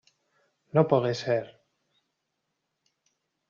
No pogué ser.